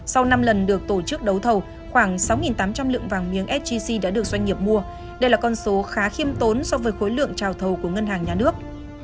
sau năm lần được tổ chức đấu thầu khoảng sáu tám trăm linh lượng vàng miếng sgc đã được doanh nghiệp mua đây là con số khá khiêm tốn so với khối lượng trào thầu của ngân hàng nhà nước